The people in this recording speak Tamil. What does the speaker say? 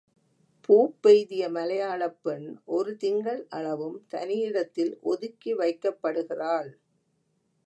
பூப்பெய்திய மலையாளப் பெண், ஒரு திங்கள் அளவும் தனியிடத்தில் ஒதுக்கி வைக்கப்படுகிருள்.